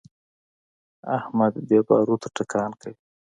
احمد بې باروتو ټکان کوي.